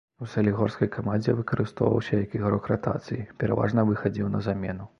У салігорскай камандзе выкарыстоўваўся як ігрок ратацыі, пераважна выхадзіў на замену.